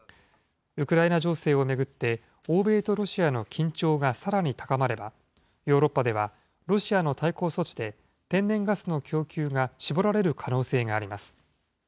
ウクライナ情勢を巡って、欧米とロシアの緊張がさらに高まれば、ヨーロッパではロシアの対抗措置で天然ガスの供給が絞られる可能性があります。